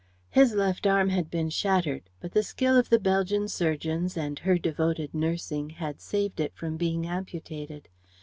His left arm had been shattered, but the skill of the Belgian surgeons and her devoted nursing had saved it from being amputated.